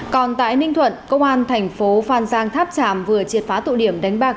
còn tại ninh thuận công an thành phố phan giang tháp tràm vừa triệt phá tụ điểm đánh bạc